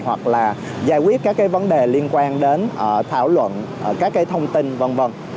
hoặc là giải quyết các cái vấn đề liên quan đến thảo luận các cái thông tin v v